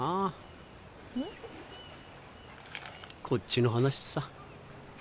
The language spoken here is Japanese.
こっちの話さ。